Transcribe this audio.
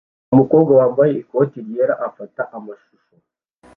Umukobwa wambaye ikote ryera afata amashusho